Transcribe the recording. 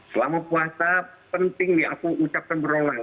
selama puasa penting nih aku ucapkan bro lah